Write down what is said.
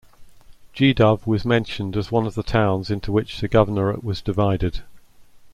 Gdov was mentioned as one of the towns into which the governorate was divided.